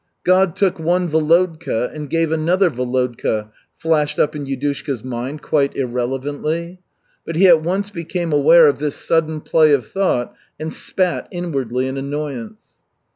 "God took one Volodka and gave another Volodka," flashed up in Yudushka's mind quite irrelevantly; but he at once became aware of this sudden play of thought and spat inwardly in annoyance.